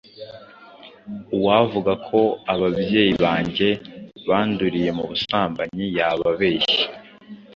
Uwavuga ko ababyeyi bange banduriye mu busambanyi yaba abeshye.